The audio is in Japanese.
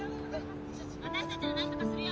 「私たちでなんとかするよ！」